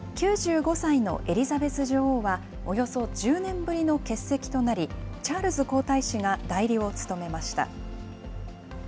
９５歳のエリザベス女王は、およそ１０年ぶりの欠席となり、チャールズ皇太子が代理を務めました。